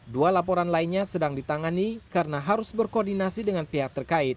dua laporan lainnya sedang ditangani karena harus berkoordinasi dengan pihak terkait